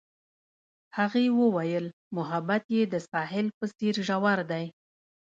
هغې وویل محبت یې د ساحل په څېر ژور دی.